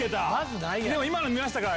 でも今の見ましたから。